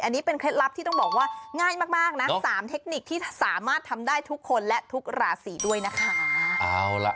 อันนี้เป็นเคล็ดลับที่ต้องบอกว่าง่ายมากนะ๓เทคนิคที่สามารถทำได้ทุกคนและทุกราศีด้วยนะคะ